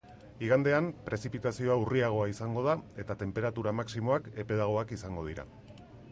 Igandean prezipitazioa urriagoa izango da eta tenperatura maximoak epelagoak izango dira.